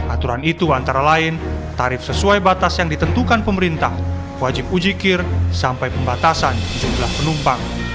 aturan itu antara lain tarif sesuai batas yang ditentukan pemerintah wajib ujikir sampai pembatasan jumlah penumpang